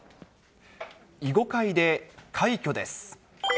囲碁界で快挙です。